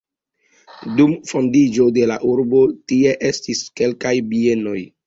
Dum fondiĝo de la urbo tie estis kelkaj bienoj.